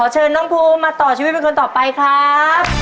เชิญน้องภูมาต่อชีวิตเป็นคนต่อไปครับ